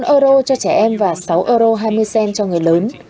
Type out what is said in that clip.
bốn euro cho trẻ em và sáu euro hai mươi cent cho người lớn